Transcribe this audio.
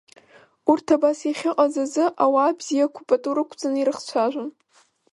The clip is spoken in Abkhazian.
Урҭ абас иахьыҟаз азы, ауаа бзиақәа пату рықәҵаны ирыхцәажәон.